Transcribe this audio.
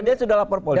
dia sudah lapor polisi